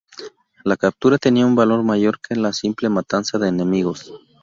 La captura tenía un valor mayor que la simple matanza de enemigos.